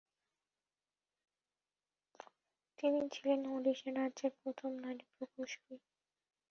তিনি ছিলেন ওডিশা রাজ্যের প্রথম নারী প্রকৌশলী।